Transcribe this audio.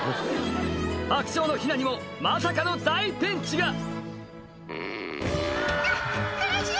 白鳥のヒナにもまさかの大ピンチが「あ苦しい！